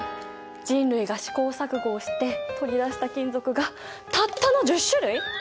人類が試行錯誤をして取り出した金属がたったの１０種類！？